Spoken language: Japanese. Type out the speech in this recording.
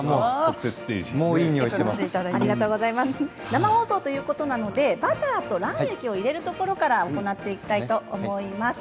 生放送ということなのでバターと卵液を入れるところから行っていただきます。